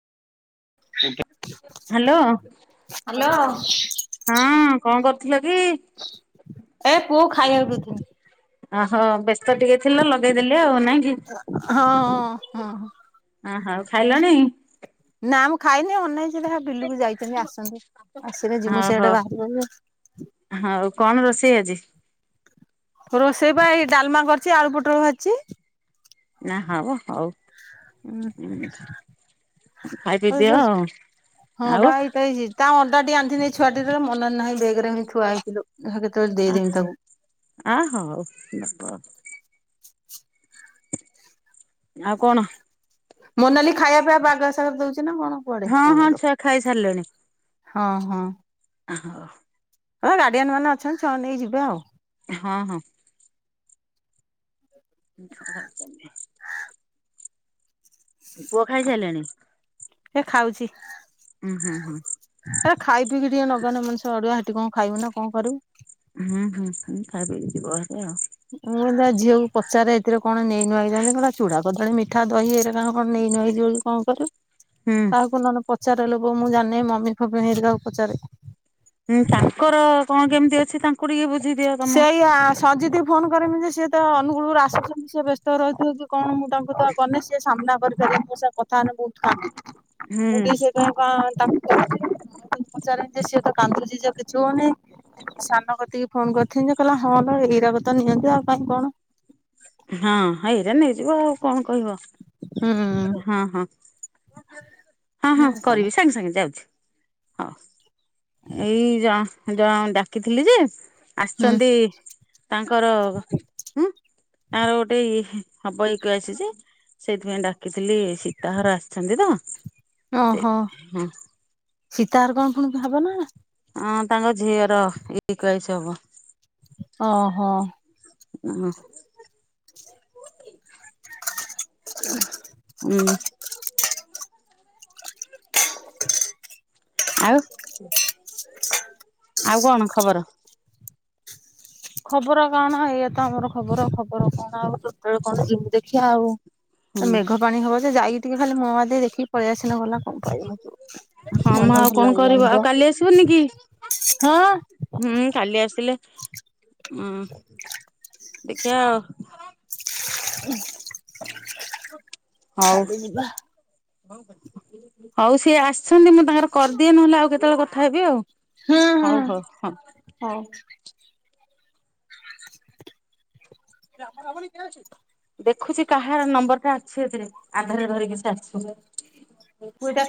[unintelligible] Hello. Hello. ହଁ କଁ କରୁଥିଲ କି। ଏ ପୁଅକୁ ଖାଇବାକୁ ଦୋଉଥିନି। ଓହୋ ବ୍ୟସ୍ତ ଟିକେ ଥିଲ ଲଗେଇଦେନି ଆଉ ନାଇଁ କି। ହଁ ହଁ ହଁ। ଅଁ ହୋଉ ଖାଇଲଣି। ନା ମୁଁ ଖାଇନି ଅନେଇଚି ଦେଖା ବିଲୁକୁ ଯାଇଚନ୍ତି ଆସନ୍ତୁ ଆସିବେ ଯିମୁ ଓହୋ ସେଆଡେ ହଉ ବାହାରକୁ। ହଉ କଣ ରୋଷେଇ ଆଜି। ରୋଷେଇ ପା ଡାଲମା କରିଚି ଆଳୁ ପୁଟଳ ଭାଜିିଚି। ନା ହବ ହଉ। ହୁ। ଖାଇ [unintelligible] ପିଇ ଦିଅ ଆଉ ତା ଆଉ ଅଣ୍ଡା ଟି ଆଣିଥିନି ଛୁଆ ଟିର ମନର ନାହିଁ ବେଗେରେ ହି ଥୁଆହେଇଚିଲୋ ଦେଖା କେତେଳେ ଦେଇଦେମି ତାକୁ। ଆ ହଉ ବାପ। ଆଉ କଣ। ମୋନାଲି ଖାଇବା ପିଇବା ବାଗସାଗ ରେ ଦୋଉଚି ନା କଣ। କୁଆଡେ ହଁ କଣ ହଁ ଲୋ। ଛୁଆ ଖାଇ ସାରିଲେଣି। ହଁ ହଁ। ଆଁ ହୋଉ। ହଁ ଗାର୍ଡ଼ିଆନ୍ ମାନେ ଅଛନ୍ତିଛୁଆଙ୍କୁ ନେଇକି ଯିବେ ଆଉ। ହଁ ହଁ। [inaudible] ପୁଅ ଖାଇସାଇଲାଣି। ସିଏ ଖାଉଚି। ଉଁ ହୁଁ ହୁଁ। ଖାଇ ପିଇକି ଟିକେ ନଗନେ ମଣିଷ ଅଡୁଆ ହେଠି କଣ ଖାଇବ ନା କଣ କରିମୁ। ହୁଁ ହୁଁ ଖାଇ ପିକି ଯିବ ଭାରି ଆଉ। ମୁଁ ତା ଝିଅକୁ ପଚାରେ ଏଥିରେ କଣ ନେଇ ନୁଆ କି ଯାଆନ୍ତି କଣ ଚୁଡା, କଦଳୀ, ମିଠା, ଦହି ଏଇରେ କଣ କଣ ନେଇ ନୁଆଇକି ଯିବ କି? ହଁ ପରା ହୁଁ। କାହାକୁ ନହନେ ପ ଚାର ଲୋ ବୋ ମୁଁ ଜାଣିନି ମମି ଫମି ହେରିକା କୁ ପଚାରେ। ହୁଁ ତାଙ୍କର କଣ କେମିତି ଅଛି ତାଙ୍କୁ ଟିକେ ବୁଝି ଦିଅ ତମ ସେଇ ଆ ସଞ୍ଜିତ କି ଫୋନ କରିମି ଯେ ସିଏ ତ ଅନୁଗୁଳରୁ ଆସୁଛନ୍ତି ସିଏ ବ୍ୟସ୍ତ ରହୁଥିବେ କି କଣ ମୁଁ ତାଙ୍କୁ ତ କରିନି ସିଏ ସାମ୍ନା କରିପାରିବିନି ମୋ ସହ କଥା ହେନେ ବହୁତ୍ କାନ୍ଦିବ ହୁଁ। ମୁଁ ବି ସେ କଣ କା ତା [unintelligible] ପଚାରିମି ଯେ ସେ ତ କାନ୍ଦୁଛି ଯଉ କିଛି ହଉ ନି। ସାନ କତିକି ଫୋନ କରିଥିନି ଯେ କହିଲା ହଁ ଏଇ ରାକତ ନିଅନ୍ତି ଆଉ କାହିଁ କଣ। ହଁ ଏଇରା ନେଇଯିବ ଆଉ କଣ କହିବ ହୁଁ। ହଁ ହଁ। ହଁ ହଁ କରିବି ସାଙ୍ଗେ ସାଙ୍ଗେ ଯାଉଛି। ହଁ ଏଇ ଜ ଜ ଡାକିଥିଲି ଯେ ହୁଁ ଆସିଛନ୍ତି ତାଙ୍କର ଆଉ ଗୋଟେ ଏଇ ହବ ଇ କେ ୟାଇ ସି ଯେ। ସେଇଥିପାଇଁ ଡାକିଥିଲି ସୀତାଘର ଆସିଛନ୍ତି ତ ସେଇଥିପାଇଁ ହଁ। ସୀତଘର କଣ ପୁଣି ହବ ନା? ହଁ ତାଙ୍କ ଝିଅର ଇ କେ ୟାଇ ସି ହବ। ଓହୋ। ହଁ। ଉଁ। ଆଉ। ଆଉ କଣ ଖବର? ଖବର କଣ ଏଇଆ ତ ଆମର ଖବର ଖବର କଣ ଆଉ କେତେବେଳେ କଣ ଯିମି ଦେଖିବା ଆଉ। ହୁଁ ମେଘ ପାଣି ହବ ଯେ ଯାଇକି ଟିକେ ଖାଲି ମୁହ ମାରି ଦେଇକି ଦେଖିକି ପଳେଇ ଆସିଲେ ଗଲା। କଣ ପାଇବ ହେଠୁ। ହଁ ମନ ମ ଆଉ ଭଲ କଣ ଲାଗିଲାନି କରିବ ବା ଆଉ କାଲି ଆସିବନି କି? ହଁ। ହୁଁ କାଲି ଆସିଲେ ଉଁ ଦେଖିବା ଆଉ। ହଉ। କାଲି ଯିବା ହଉ ସିଏ ଆସିଛନ୍ତି ମୁଁ ତାଙ୍କର କରିଦିଏ ନହେଲେ ଆଉ କେତେବେଳେ କଥା ହେବି ଆଉ। ହଉ ହଉ ହଁ। ହଉ। [unintelligible] ଦେଖୁଛି କାହାର ନମ୍ବର ଟା ଅଛି ଏଥିରେ ଆଧାରରେ ଧରିକି ସେ ଆସିବ। ତୁ ଏଇଟା କା